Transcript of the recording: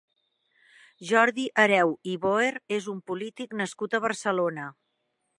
Jordi Hereu i Boher és un polític nascut a Barcelona.